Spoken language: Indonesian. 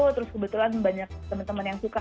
terus kebetulan banyak temen temen yang suka